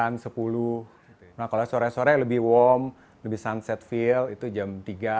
nah kalau sore sore lebih warm lebih sunset feel itu jam tiga